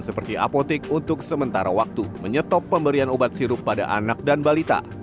seperti apotik untuk sementara waktu menyetop pemberian obat sirup pada anak dan balita